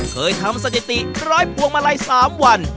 เคยทำสจติร้อยผ่วงมาลัย๓วัน